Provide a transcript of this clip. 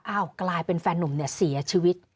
กลายเป็นแฟนนุ่มเนี่ยเสียชีวิต